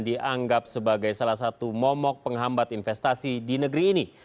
dianggap sebagai salah satu momok penghambat investasi di negeri ini